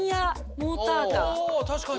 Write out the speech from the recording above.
あ確かに。